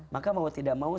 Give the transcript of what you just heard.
maka mau tidak mau